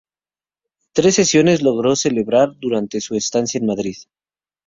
Tres sesiones logró celebrar durante su estancia en Madrid.